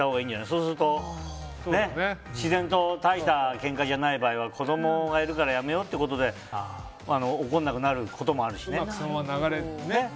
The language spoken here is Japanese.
そうすると自然と大したけんかじゃない場合は子供がいるからやめようってことで怒らなくなることもあるしね。